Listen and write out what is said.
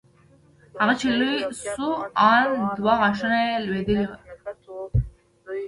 هغه چې لوى سو ان دوه غاښونه يې لوېدلي وو.